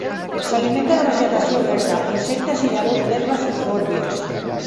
S'alimenta de vegetació verda, insectes i llavors d'herbes i fòrbies.